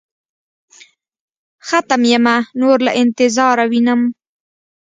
ختم يمه نور له انتظاره وينم.